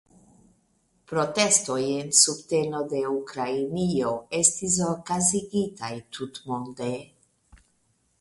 Protestoj en subteno de Ukrainio estis okazigitaj tutmonde.